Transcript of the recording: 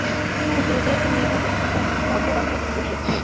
খুব দ্রুতই তুমি ভাগ্যবান হয়ে উঠবে।